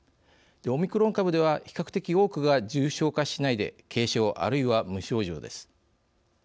オミクロン株では比較的多くが重症化しないで軽症あるいは無症状です。